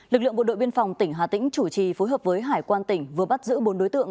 lực lượng bộ đội biên phòng tỉnh hà tĩnh chủ trì phối hợp với hải quan tỉnh vừa bắt giữ bốn đối tượng